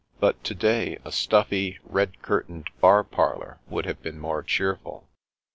But to day a stuffy, red cur tained bar parlour would have been more cheerful.